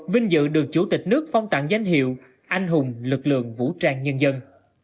vinh dự được chủ tịch nước phong tặng danh hiệu anh hùng lực lượng vũ trang nhân dân